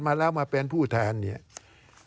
การเลือกตั้งครั้งนี้แน่